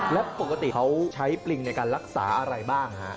แล้วปกติเขาใช้ปริงในการรักษาอะไรบ้างฮะ